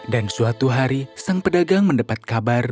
dan suatu hari sang pedagang mendapat kabar